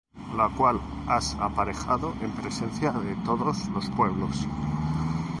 La cual has aparejado en presencia de todos los pueblos;